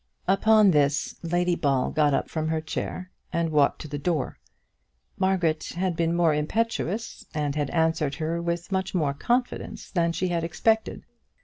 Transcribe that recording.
Upon this Lady Ball got up from her chair and walked to the door. Margaret had been more impetuous and had answered her with much more confidence than she had expected.